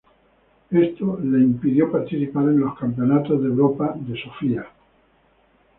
Esto la impidió participar en los Campeonatos de Europa de Sofía.